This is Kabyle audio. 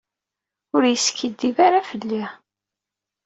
Ur yeskiddib ara fell-i.